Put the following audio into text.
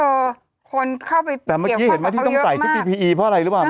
ครับเป็นคนเข้าไปตรีเย็มของเขาเยอะมาก